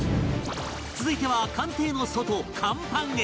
続いては艦艇の外甲板へ